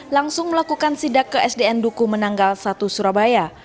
langsung melakukan sidak ke sdn duku menanggal satu surabaya